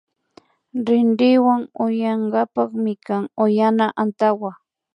Rinrinwa uyankapak mikan uyana antawaka